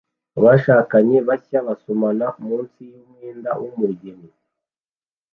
Abashakanye bashya basomana munsi yumwenda wumugeni